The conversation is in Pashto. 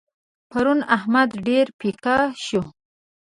پرون احمد ډېر پيکه شو.